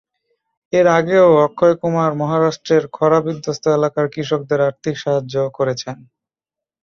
এর আগেও অক্ষয় কুমার মহারাষ্ট্রের খরা বিধ্বস্ত এলাকার কৃষকদের আর্থিক সাহায্য করেছেন।